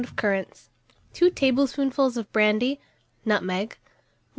of currants, 2 tablespoonfuls of brandy, nutmeg, 1/4 lb.